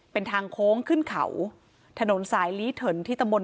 เป็นทางโค้งขึ้นเขาถนนสายลี้เถินที่ตำบล